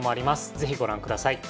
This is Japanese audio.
是非ご覧ください。